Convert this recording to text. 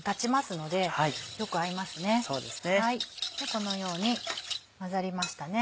このように混ざりましたね。